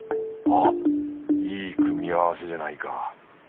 あっいい組み合わせじゃないか。